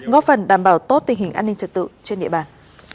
góp phần đảm bảo tốt tình hình an ninh trật tự trên địa bàn